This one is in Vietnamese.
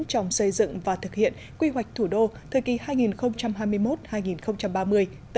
trong xây dựng và thực hiện quy hoạch thủ đô thời kỳ hai nghìn hai mươi một hai nghìn ba mươi tầm nhìn đến năm hai nghìn năm mươi